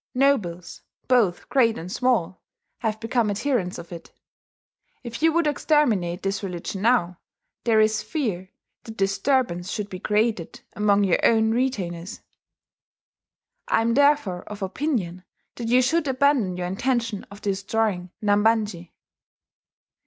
Nobles, both great and small, have become adherents of it. If you would exterminate this religion now, there is fear that disturbance should be created among your own retainers. I am therefore of opinion that you should abandon your intention of destroying Nambanji.'